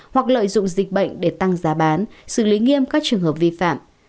hoặc lợi dụng dịch bệnh để tăng giá bán xử lý nghiêm các trường hợp vi phạm